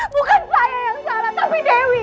bukan saya yang salah tapi dewi